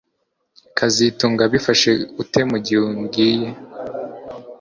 kazitunga yabifashe ate mugihe umubwiye